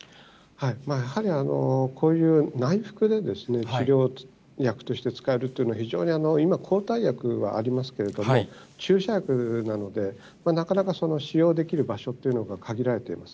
やはり、こういう内服で治療薬として使えるというのは、非常に今、抗体薬はありますけれども、注射薬なので、なかなか使用できる場所というのが限られています。